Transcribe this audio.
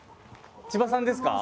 千葉さんですか？